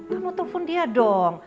kamu telepon dia dong